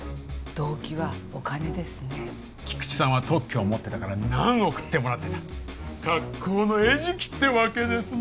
動機はお金ですね菊池さんは特許を持ってたから何億ってもらってた格好の餌食ってわけですね